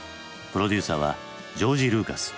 プロデューサーはジョージ・ルーカス。